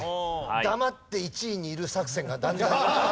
黙って１位にいる作戦がだんだん。